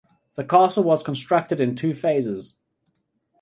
The castle was constructed in two phases.